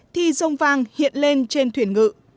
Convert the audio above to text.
thì rồng vàng hiện lên trên thuyền ngự